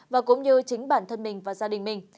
và cũng như chính bản thân mình và gia đình mình